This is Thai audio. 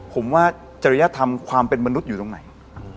ผมว่าจริยธรรมความเป็นมนุษย์อยู่ตรงไหน